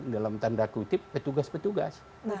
dalam tanda kutip petugas petugas